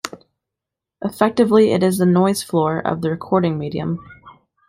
Effectively it is the noise floor of the recording medium.